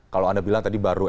kalau anda bilang tadi baru